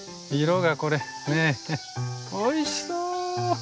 おいしそう。